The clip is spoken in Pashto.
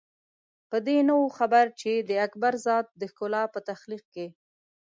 په دې نه وو خبر چې د اکبر ذات د ښکلا په تخلیق کې.